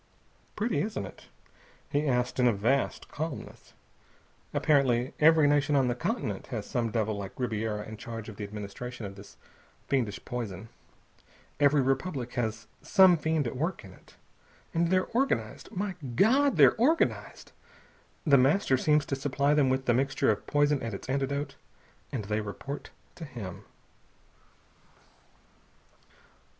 "Pretty, isn't it?" he asked in a vast calmness. "Apparently every nation on the continent has some devil like Ribiera in charge of the administration of this fiendish poison. Every republic has some fiend at work in it. And they're organized. My God! They're organized! The Master seems to supply them with the mixture of poison and its antidote, and they report to him...."